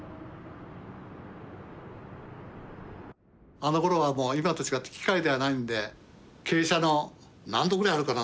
あのころはもう今と違って機械ではないんで傾斜の何度ぐらいあるかな？